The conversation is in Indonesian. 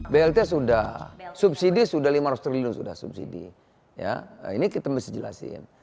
blt sudah subsidi sudah lima ratus triliun sudah subsidi ya ini kita mesti jelasin